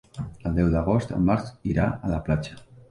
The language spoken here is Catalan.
El deu d'agost en Max irà a la platja.